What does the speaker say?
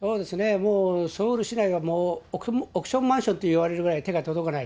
もうソウル市内はもう億ションマンションといわれるぐらい、手が届かない。